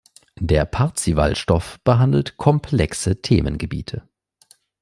Der Parzival-Stoff behandelt komplexe Themengebiete.